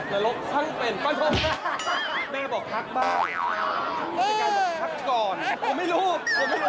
ไม่ยังเหมือนตกนรก